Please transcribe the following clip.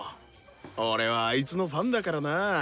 俺はあいつのファンだからな。